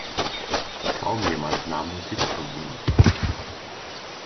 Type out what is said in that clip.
Kaum jemand nahm Notiz von ihm.